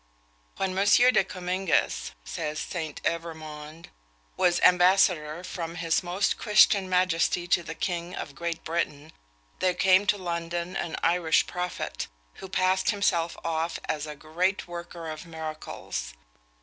"When M. de Comminges," says St. Evremond, "was ambassador from his most Christian majesty to the king of Great Britain, there came to London an Irish prophet, who passed himself off as a great worker of miracles.